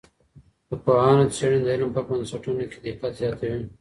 د پوهانو څېړنې د علم په بنسټونو کي دقت زیاتوي.